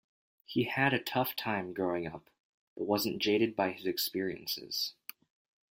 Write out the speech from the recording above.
He had a tough time growing up but wasn't jaded by his experiences.